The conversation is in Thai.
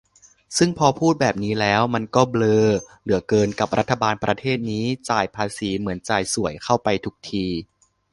ซึ่งพอพูดแบบนี้แล้ว มันก็เบลอเหลือเกินกับรัฐบาลประเทศนี้ จ่ายภาษีเหมือนจ่ายส่วยเข้าไปทุกที